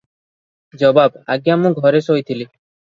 ଜବାବ - ଆଜ୍ଞା ମୁଁ ଘରେ ଶୋଇଥିଲି ।